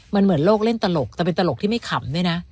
มันเหมือนโลกเล่นตลกแต่เป็นตลกที่ไม่ขำด้วยนะ